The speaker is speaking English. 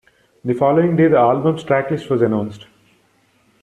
The following day the album's track list was announced.